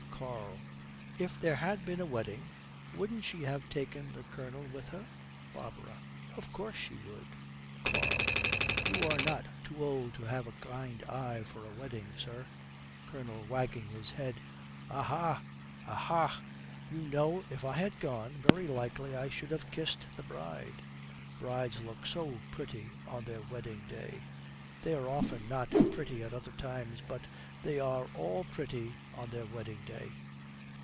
KARL. 'If there had been a wedding, wouldn't she have taken the Colonel with her?' BARBARA. 'Of course she would.' KARL. 'You are not too old to have a kind eye for a wedding, sir.' COLONEL, wagging his head, 'Aha, aha! You know, if I had gone, very likely I should have kissed the bride. Brides look so pretty on their wedding day. They are often not pretty at other times, but they are all pretty on their wedding day.'